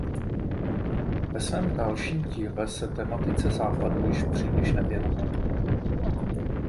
Ve svém dalším díle se tematice Západu již příliš nevěnoval.